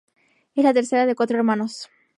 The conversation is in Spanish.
Es la tercera de cuatro hermanos.